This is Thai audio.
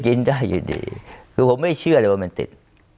กินได้อยู่ดีคือผมไม่เชื่อเลยว่ามันติด